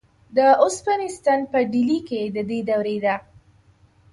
د اوسپنې ستن په ډیلي کې د دې دورې ده.